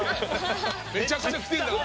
めちゃくちゃ来てるんだから。